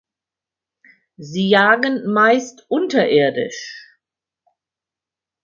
Sie jagen meist unterirdisch.